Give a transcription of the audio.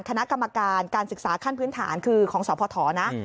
คณะกรรมการการศึกษาขั้นพื้นฐานคือของสพนะ